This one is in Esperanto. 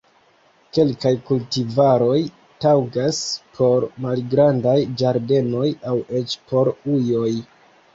Kelkaj kultivaroj taŭgas por malgrandaj ĝardenoj aŭ eĉ por ujoj.